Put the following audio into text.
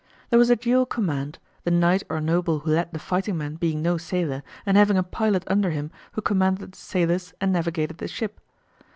There was a dual command, the knight or noble who led the fighting men being no sailor, and having a pilot under him who commanded the sailors and navigated the ship.